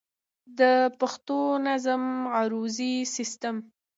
د پښتو نظم عروضي سيسټم